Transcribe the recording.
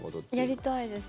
やりたいです。